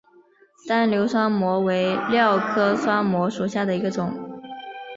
单瘤酸模为蓼科酸模属下的一个种。